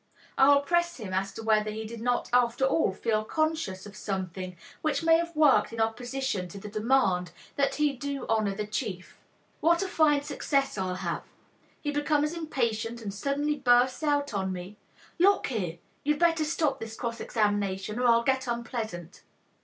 I will press him as to whether he did not after all feel conscious of something which may have worked in opposition to the demand that he do honor to the chief. What a fine success I'll have! He becomes impatient and suddenly bursts out on me, "Look here, you'd better stop this cross examination, or I'll get unpleasant.